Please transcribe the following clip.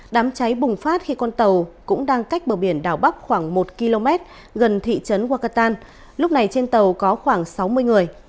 đám cháy bùng phát khi con tàu cũng đang cách bờ biển đảo bắc khoảng một km gần thị trấn wakatan lúc này trên tàu có khoảng sáu mươi người